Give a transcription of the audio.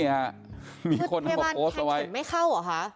พยาบาลแข็งเข็มไม่เข้าหรอค่ะ